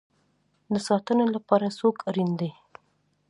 د ساتنې لپاره څوک اړین دی؟